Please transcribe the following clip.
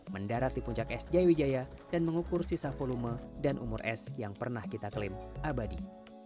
mendarat di puncak es jayawijaya dan mengukur sisa volume dan umur es yang pernah kita klaim abadi